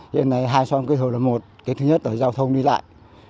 hiện nay hai xóm kết hợp là một cái thứ nhất là giao thông đi lại